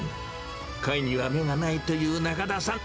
貝には目がないという中田さん。